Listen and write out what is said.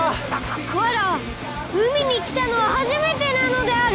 わらわ海に来たのは初めてなのである！